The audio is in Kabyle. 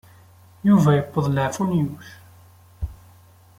Yuba yewweḍ leɛfu n Yuc.